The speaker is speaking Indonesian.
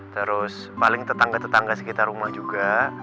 terus paling tetangga tetangga sekitar rumah juga